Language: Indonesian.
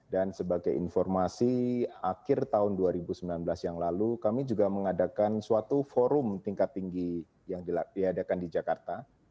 dan sebagai informasi akhir tahun dua ribu sembilan belas yang lalu kami juga mengadakan suatu forum tingkat tinggi yang diadakan di jakarta